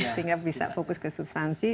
sehingga bisa fokus ke substansi